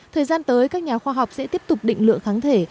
thời gian tới các nhà khoa học sẽ tiếp tục định lượng kháng thể